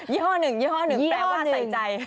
ยี่ห้อหนึ่งแปลว่าใส่ใจ